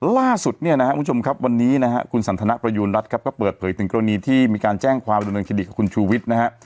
ล่าสุดวันนี้คุณสันทนประยูณรัฐก็เปิดเผยถึงกรณีที่มีการแจ้งความบริเวณเครดิกต์ของคุณชูวิทธิ์